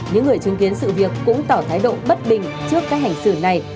những người chứng kiến sự việc cũng tỏ thái độ bất bình trước các hành xử này